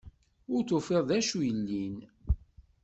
Ur tufiḍ d acu yellin.